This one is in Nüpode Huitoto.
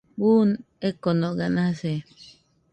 Buu ekonoga nase